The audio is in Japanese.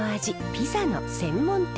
ピザの専門店。